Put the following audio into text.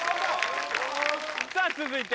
さぁ続いて。